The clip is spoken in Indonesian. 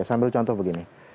saya ambil contoh begini